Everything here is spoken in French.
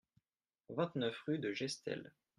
vingt-neuf rue de Gestel